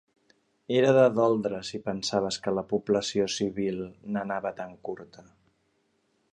Era de doldre si pensaves que la població civil n'anava tan curta.